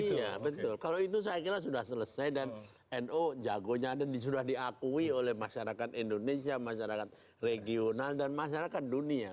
iya betul kalau itu saya kira sudah selesai dan nu jagonya ada sudah diakui oleh masyarakat indonesia masyarakat regional dan masyarakat dunia